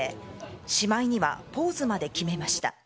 しまいにはポーズまで決めました。